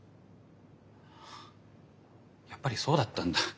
やっぱりそうだったんだ。